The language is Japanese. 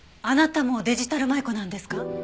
あなたもデジタル舞子なんですか？